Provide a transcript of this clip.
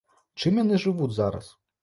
Чым яны жывуць зараз?